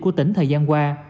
của tỉnh thời gian qua